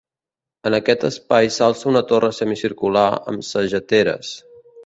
En aquest espai s'alça una torre semicircular, amb sageteres.